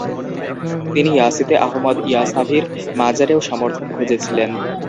তিনি ইয়াসিতে আহমাদ ইয়াসাভির মাজারেও সমর্থন খুজেছিলেন।